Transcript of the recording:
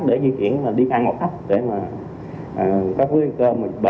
để di chuyển đi ăn ngôi tắc để mà